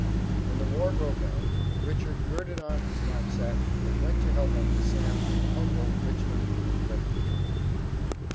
When the war broke out, Richard girded on his knapsack and went to help Uncle Sam humble Richmond and break the yoke.